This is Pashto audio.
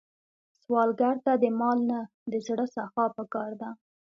سوالګر ته د مال نه، د زړه سخا پکار ده